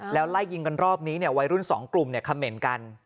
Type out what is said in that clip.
แล้วไล่ยิงกันรอบนี้วัยรุ่นสองกลุ่มคาเมนต์กัน